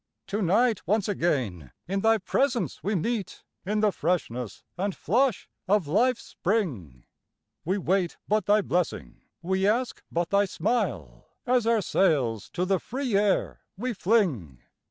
To night once again in thy presence we meet In the freshness and flush of life's spring; We wait but thy blessing, we ask but thy smile, As our sails to the free air we fling.